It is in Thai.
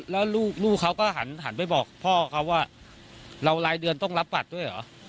แล้วลูกเขาก็หันไปบอกพ่อเขาว่าเรารายเดือนต้องรับบัตรด้วยเหรอ